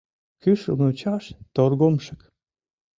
Кӱшыл мучаш - торгомшык